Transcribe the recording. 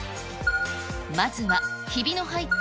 まずはひびの入った○